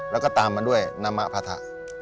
แล้วก็ตามมาด้วยนามะพัทธะ